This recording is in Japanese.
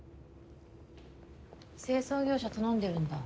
清掃業者頼んでるんだ。